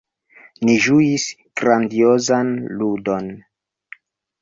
Ni ĝuis grandiozan ludon.